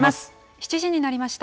７時になりました。